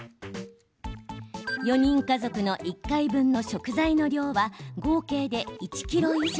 ４人家族の１回分の食材の量は合計で１ｋｇ以上。